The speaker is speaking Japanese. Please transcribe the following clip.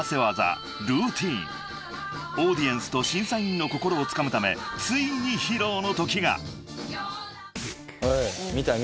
［オーディエンスと審査員の心をつかむためついに披露のときが］へえ見たい見たい。